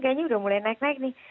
kayaknya udah mulai naik naik nih